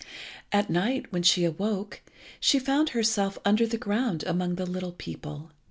At night when she awoke, she found herself under the ground among the little people.